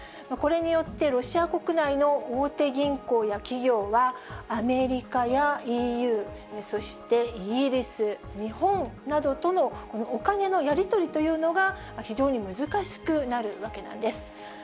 これによってロシア国内の大手銀行や企業は、アメリカやＥＵ、そしてイギリス、日本などとのお金のやり取りというのが、非常に難しくなるわけなんです。